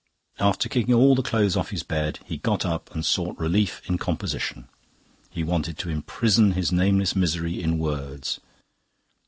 After kicking all the clothes off the bed, he got up and sought relief in composition. He wanted to imprison his nameless misery in words.